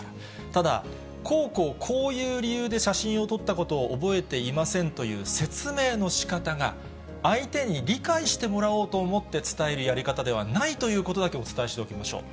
ただ、こうこうこういう理由で写真を撮ったことを覚えていませんという説明のしかたが、相手に理解してもらおうと思って伝えるやり方ではないということだけお伝えしておきましょう。